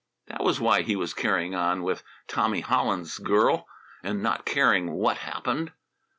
That was why he was carrying on with Tommy Hollins' girl, and not caring what happened.